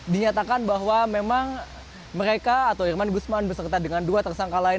dinyatakan bahwa memang mereka atau irman gusman beserta dengan dua tersangka lain